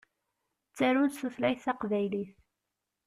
Ttarun s tutlayt taqbaylit.